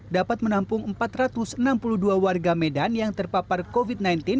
dapat menampung empat ratus enam puluh dua warga medan yang terpapar covid sembilan belas